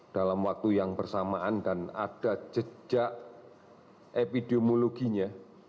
dalam waktu yang bersamaan dan ada jejak epidemiologinya